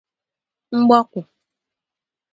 Mgbakwụ